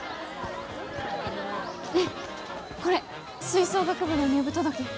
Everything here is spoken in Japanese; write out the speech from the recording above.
ねえこれ吹奏楽部の入部届。